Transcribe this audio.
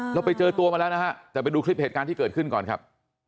เราไปเจอตัวมาแล้วนะฮะแต่ไปดูคลิปเหตุการณ์ที่เกิดขึ้นก่อนครับ